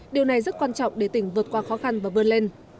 điều này rất quan trọng để tỉnh vượt qua khó khăn và vươn lên